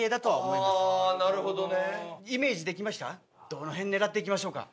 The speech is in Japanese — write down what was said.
どの辺狙っていきましょうか？